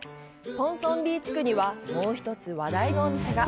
ポンソンビー地区には、もう一つ話題のお店が。